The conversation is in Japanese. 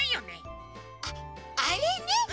あっあれね！